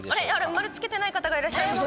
丸つけてない方がいらっしゃいますよ。